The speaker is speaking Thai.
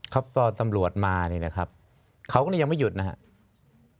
ครับตอนตำรวจมานี่นะครับเขาก็ยังไม่หยุดนะครับ